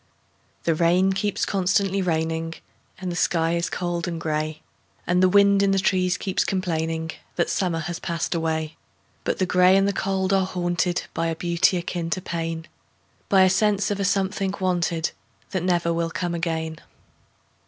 The rain keeps constantly raining, And the sky is cold and gray, And the wind in the trees keeps complainingThat summer has passed away;—But the gray and the cold are hauntedBy a beauty akin to pain,—By a sense of a something wanted, That never will come again.